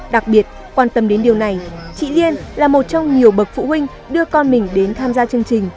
đặc biệt quan tâm đến điều này chị liên là một trong nhiều bậc phụ huynh đưa con mình đến tham gia chương trình